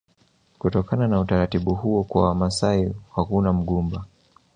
Kutokana na utaratibu huo kwa Wamasai hakuna mgumba